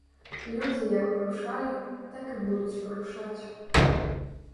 Людзі як парушалі, так і будуць парушаць.